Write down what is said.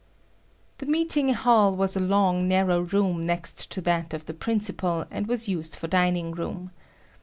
The meeting hall was a long, narrow room next to that of the principal, and was used for dining room.